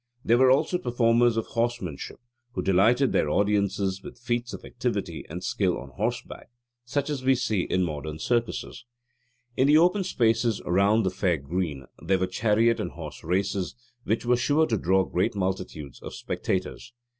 There were also performers of horsemanship, who delighted their audiences with feats of activity and skill on horseback, such as we see in modern circuses. In the open spaces round the fair green there were chariot and horse races, which were sure to draw great multitudes of spectators.